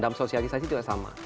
dan sosialisasi juga sama